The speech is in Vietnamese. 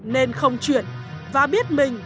nên không chuyển và biết mình